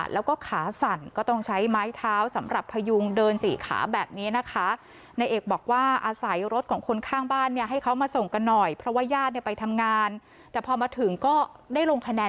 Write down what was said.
แล้วก็ขาสั่นก็ต้องใช้ไม้เท้าสำหรับพยุงเดินสี่ขาแบบนี้นะคะ